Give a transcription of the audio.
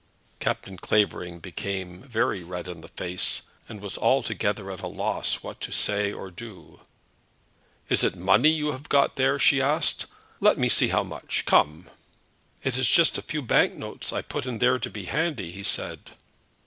Captain Clavering became very red in the face, and was altogether at a loss what to say or do. "Is it money you have got there?" she asked. "Let me see how much. Come." "It is just a few bank notes I put in here to be handy," he said.